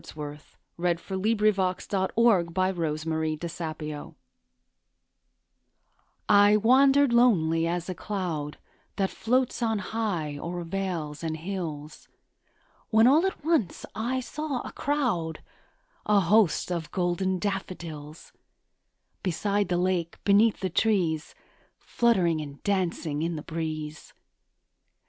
Hurrah for the pumpkin pie! Lydia Maria Child. Daffodils I wandered lonely as a cloud That floats on high o'er vales and hills, When all at once I saw a crowd, A host, of golden daffodils; Beside the lake, beneath the trees, Fluttering and dancing in the breeze.